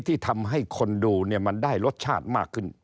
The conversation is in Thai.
ที่ทำให้คนดูเนี่ยมันได้รสชาติมากขึ้น